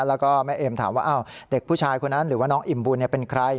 แล้วก็แม่เอมถามว่าเด็กผู้ชายคนนั้นหรือว่าน้องอิ่มบุญเป็นใคร